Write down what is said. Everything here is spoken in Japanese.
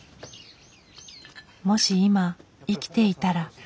もし今生きていたら。